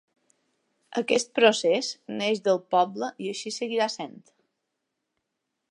Aquest procés neix del poble i així seguirà sent.